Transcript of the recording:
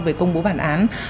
về công bố bản án